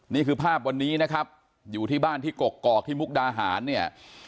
นี่คือภาพวันนี้นะครับอยู่ที่บ้านที่กกอกที่มุกดาหารเนี่ย